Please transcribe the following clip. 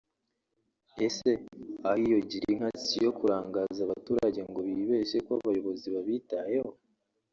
Ese aho iyo girinka s’iyo kurangaza abaturage ngo bibeshye ko abayobozi babitayeho